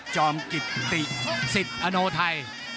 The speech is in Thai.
จอมกระถิ่งตีสิทธิ์อโนไทย